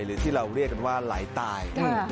หรือที่เราเรียกกันว่าไหลตาย